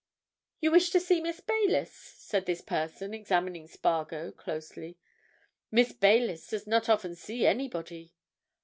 "You wish to see Miss Baylis?" said this person, examining Spargo closely. "Miss Baylis does not often see anybody."